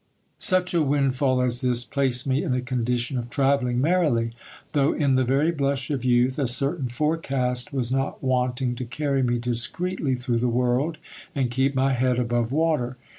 Such a windfall as this placed me in a condition of travelling merrily. Though in the very blush of youth, a certain forecast was not wanting to carry me discreetly through the world, and keep my head above water.